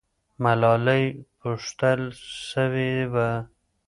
ملالۍ پوښتل سوې وه.